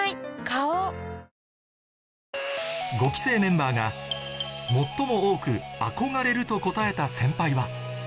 花王５期生メンバーが最も多く「憧れる」と答えた先輩は？